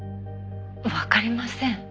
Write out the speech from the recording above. わかりません。